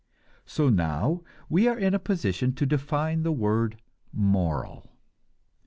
So now we are in position to define the word moral.